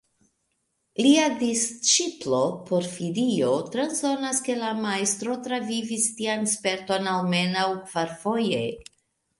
Lia disĉiplo Porfirio transdonas ke la majstro travivis tian sperton almenaŭ kvarfoje.